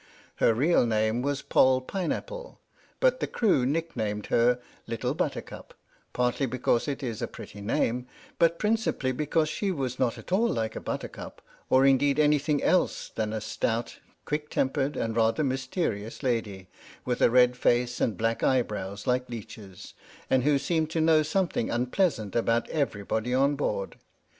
Her real name was Poll Pineapple, but the crew nick named her " Little Buttercup," partly because it is a pretty name, but principally because she was not at all like a buttercup, or indeed anything else than a stout, quick tempered, and rather mysterious lady, with a red face and black eyebrows like leeches, and who seemed to know something unpleasant about every body on board.